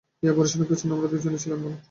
এই অপারেশনের পেছনে আমরা দুজনই ছিলাম মূল কারিগর।